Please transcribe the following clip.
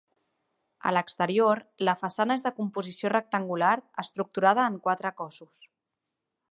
A l'exterior, la façana és de composició rectangular estructurada en quatre cossos.